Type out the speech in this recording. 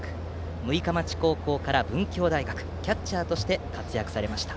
六日町高校から文教大学、キャッチャーとして活躍されました。